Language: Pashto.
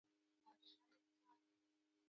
پښتورګي وینه تصفیه کوي او اضافی اوبه له بدن باسي